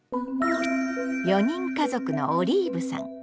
４人家族のオリーブさん。